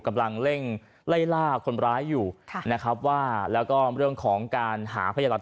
กำลังเร่งไล่ล่าคนร้ายอยู่ค่ะนะครับว่าแล้วก็เรื่องของการหาพยาหลักฐาน